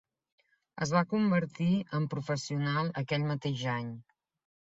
Es va convertir en professional aquell mateix any.